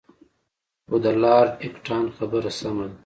خو د لارډ اکټان خبره سمه ده.